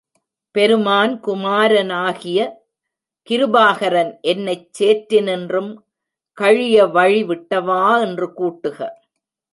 பெருமான் குமாரனாகிய கிருபாகரன் என்னைச் சேற்றினின்றும் கழிய வழி விட்டவா என்று கூட்டுக.